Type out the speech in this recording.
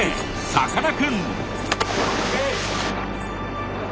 さかなクン！